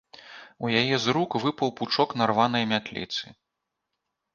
У яе з рук выпаў пучок нарванай мятліцы.